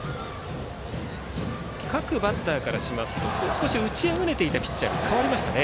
各バッターからしますと少し打ちあぐねていたピッチャーが代わりましたね。